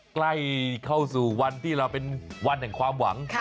ใกล้เข้าสู่วันที่เราเป็นวันแห่งความหวัง